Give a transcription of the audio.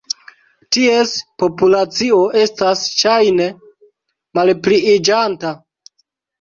Ties populacio estas ŝajne malpliiĝanta.